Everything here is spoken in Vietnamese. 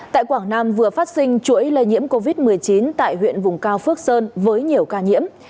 tại quảng nam vừa phát sinh chuỗi lây nhiễm covid một mươi chín tại huyện vùng cao phước sơn với nhiều ca nhiễm